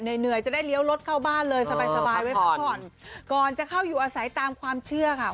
เหนื่อยจะได้เลี้ยวรถเข้าบ้านเลยสบายสบายไว้พักผ่อนก่อนจะเข้าอยู่อาศัยตามความเชื่อค่ะ